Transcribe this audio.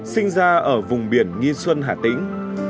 sinh ra ở vùng biển nghi xuân hà tĩnh